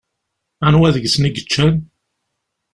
Anwa deg-sen i yeččan?